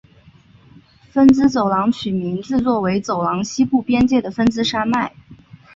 芬兹走廊取名自作为走廊西部边界的芬兹山脉。